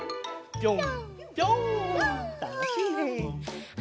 ぴょん！